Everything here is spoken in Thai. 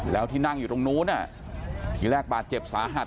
แล้วที่นั่งอยู่ตรงนู้นทีแรกบาดเจ็บสาหัส